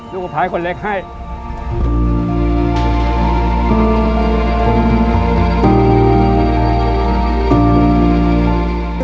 ลูกขุมพลัยคนเล็กให้